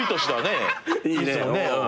いいね！